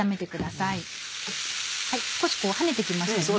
少しこう跳ねて来ましたよね。